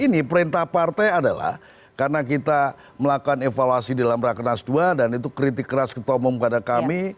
ini perintah partai adalah karena kita melakukan evaluasi dalam rakenas ii dan itu kritik keras ketua umum pada kami